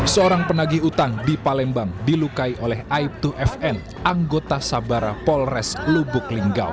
seorang penagi utang di palembang dilukai oleh aibtu fn anggota sabara polres lubuk linggau